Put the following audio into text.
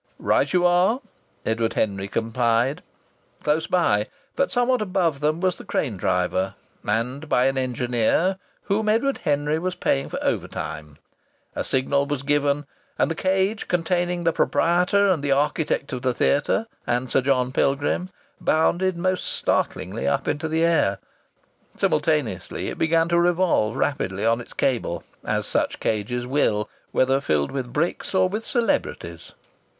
"Right you are!" Edward Henry complied. Close by, but somewhat above them, was the crane engine, manned by an engineer whom Edward Henry was paying for overtime. A signal was given, and the cage containing the proprietor and the architect of the theatre and Sir John Pilgrim bounded most startlingly up into the air. Simultaneously it began to revolve rapidly on its cable, as such cages will, whether filled with bricks or with celebrities.